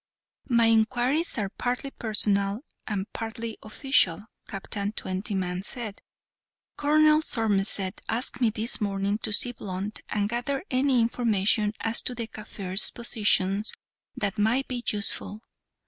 "My inquiries are partly personal and partly official," Captain Twentyman said. "Colonel Somerset asked me this morning to see Blunt, and gather any information as to the Kaffirs' positions that might be useful.